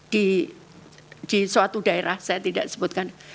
di suatu daerah saya tidak sebutkan